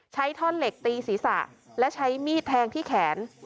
ท่อนเหล็กตีศีรษะและใช้มีดแทงที่แขน